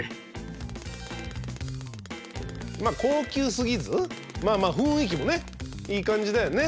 高級すぎずまあまあ雰囲気もねいい感じだよね。